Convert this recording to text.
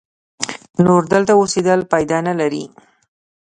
نور دلته اوسېدل پایده نه لري.